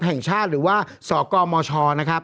แห่งชาติหรือว่าสกมชนะครับ